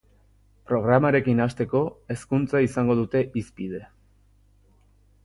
Programarekin hasteko, hezkuntza izango dute hizpide.